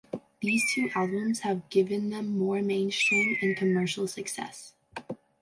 These two albums have given them more mainstream and commercial success.